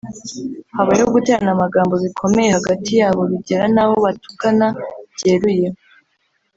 habayeho guterana amagambo bikomeye hagati yabo bigera n’aho batukana byeruye